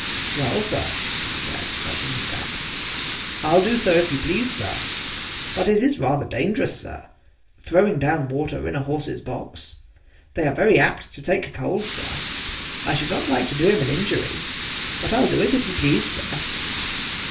"Well, sir," he said, touching his cap, "I'll do so if you please, sir; but it is rather dangerous, sir, throwing down water in a horse's box; they are very apt to take cold, sir. I should not like to do him an injury, but I'll do it if you please, sir."